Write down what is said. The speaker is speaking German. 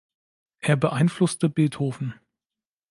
Er beeinflusste Beethoven.